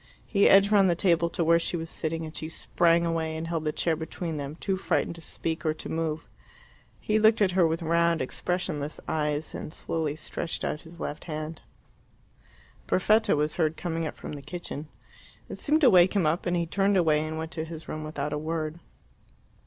He edged round the table to where she was sitting, and she sprang away and held the chair between them, too frightened to speak or to move. He looked at her with round, expressionless eyes, and slowly stretched out his left hand. Perfetta was heard coming up from the kitchen. It seemed to wake him up, and he turned away and went to his room without a word.